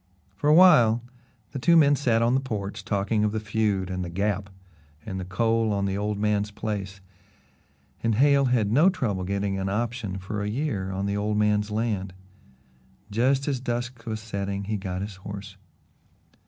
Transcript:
For a while the two men sat on the porch talking of the feud and the Gap and the coal on the old man's place, and Hale had no trouble getting an option for a year on the old man's land. Just as dusk was setting he got his horse.